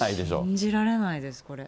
信じられないです、これ。